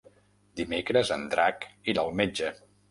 Dimecres en Drac irà al metge.